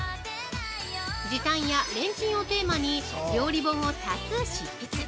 時短やレンチンをテーマに料理本を多数執筆。